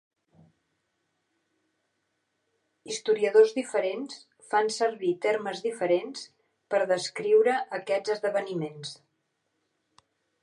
Historiadors diferents fan servir termes diferents per descriure aquests esdeveniments.